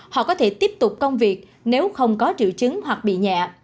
họ có thể tiếp tục công việc nếu không có triệu chứng hoặc bị nhẹ